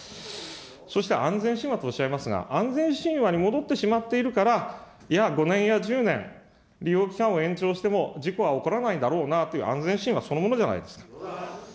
そして安全神話とおっしゃいますが、安全神話に戻ってしまっているから、いや、５年や１０年、利用期間を延長しても、事故は起こらないだろうなという安全神話そのものじゃないですか。